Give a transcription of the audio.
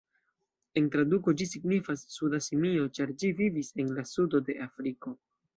En traduko ĝi signifas "suda simio", ĉar ĝi vivis en la sudo de Afriko.